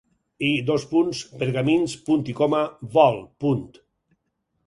I: pergamins; vol.